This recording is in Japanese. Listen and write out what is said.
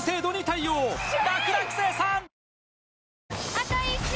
あと１周！